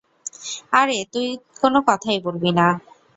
আরে, তুই কোন কথাই বলবি না।